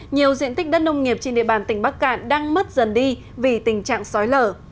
nhiều diện tích đất nông nghiệp trên địa bàn tỉnh bắc cạn đang mất dần đi vì tình trạng sói lở